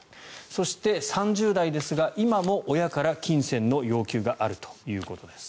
そして、３０代ですが今も親から金銭の要求があるということです。